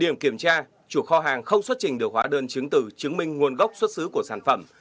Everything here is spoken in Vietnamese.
ngoài ra chủ kho hàng không xuất trình điều hóa đơn chứng từ chứng minh nguồn gốc xuất xứ của sản phẩm